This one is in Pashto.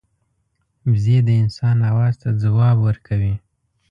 وزې د انسان آواز ته ځواب ورکوي